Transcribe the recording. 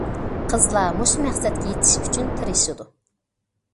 قىزلار مۇشۇ مەقسەتكە يېتىش ئۈچۈن تىرىشىدۇ.